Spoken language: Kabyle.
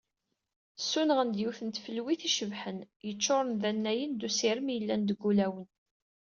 Sunɣen-d yiwet n tfelwit icebḥen, yeččuren d anayen d usirem yellan deg wulawen.